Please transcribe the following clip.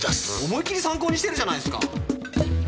思いっきり参考にしてるじゃないすか！